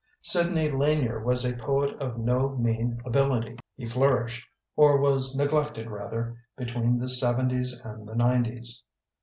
"Sidney Lanier was a poet of no mean ability. He flourished — or was neglected, rather — ^between the 'seven ties and the 'nineties.